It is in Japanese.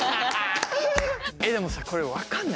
でもさこれ分かんない？